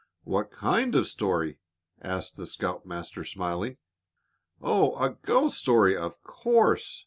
"What kind of a story?" asked the scoutmaster, smiling. "Oh, a ghost story, of course!"